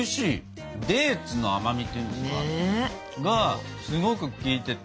デーツの甘みっていうんですか？がすごく効いてて。